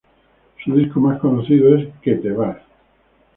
Su disco más conocido es "Que te vas".